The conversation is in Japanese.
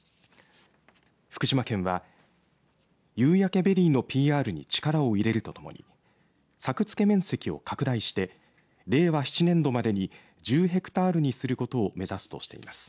福島県はゆうやけベリーのＰＲに力を入れるとともに作付面積を拡大して令和７年度までに１０ヘクタールにすることを目指すとしています。